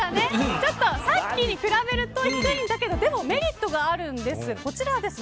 さっきに比べると低いんだけどメリットがあるんです。